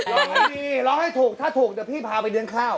ร้องให้ดีร้องให้ถูกถ้าถูกเดี๋ยวพี่พาไปเลี้ยงข้าว